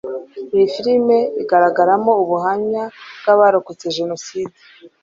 iyi filimi igaragaramo ubuhamya bw abarokotse jenoside